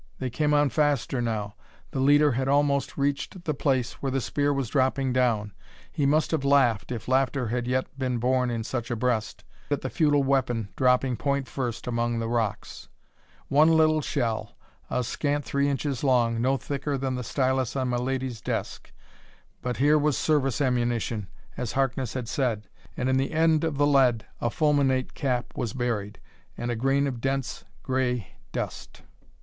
They came on faster now; the leader had almost reached the place where the spear was dropping down. He must have laughed, if laughter had yet been born in such a breast, at the futile weapon dropping point first among the rocks. One little shell, a scant three inches long, no thicker than the stylus on milady's desk! But here was service ammunition, as Harkness had said; and in the end of the lead a fulminate cap was buried and a grain of dense, gray dust!